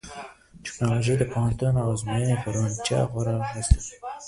ټیکنالوژي د پوهنتونونو د ازموینو په روڼتیا کې خورا مرسته کړې ده.